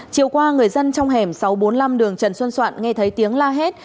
chiều qua người dân trong hẻm sáu trăm bốn mươi năm đường trần xuân soạn nghe thấy tiếng la hét